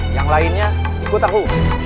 yang lainnya ikut aku